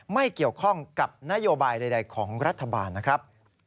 ไม่เกี่ยวข้องกับนโยบายใดของรัฐบาลนะครับ